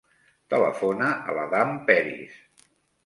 Telefona a l'Adam Peris.